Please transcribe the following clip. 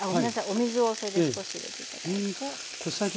お水をそれで少し入れて頂いて。